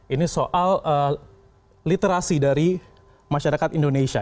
ini soal literasi dari masyarakat indonesia